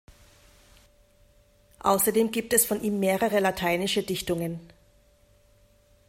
Außerdem gibt es von ihm mehrere lateinische Dichtungen.